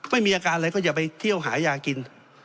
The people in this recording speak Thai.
ไม่มีอาการอะไรก็อย่าไปเที่ยวหายากิน